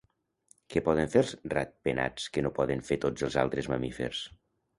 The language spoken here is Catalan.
Què poden fer els ratpenats que no poden fer tots els altres mamífers?